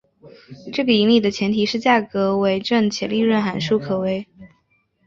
这个引理的前提是价格为正且利润函数可微。